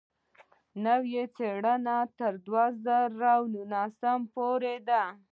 نوې څېړنه تر دوه زره نولسم پورې ده.